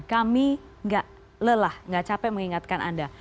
kami nggak lelah nggak capek mengingatkan anda